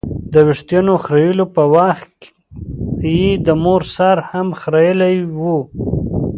د ویښتانو خریلو په وخت یې د مور سر هم خرېیلی و.